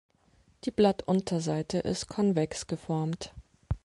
Die Blattunterseite ist konvex geformt.